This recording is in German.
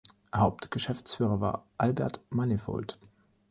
Hauptgeschäftsführer war Albert Manifold.